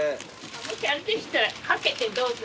もしあれでしたら掛けてどうぞ。